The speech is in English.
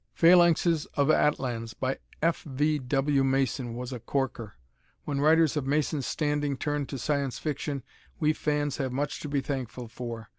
"Phalanxes of Atlans," by F. V. W. Mason, was a corker. When writers of Mason's standing turn to Science Fiction, we fans have much to be thankful for.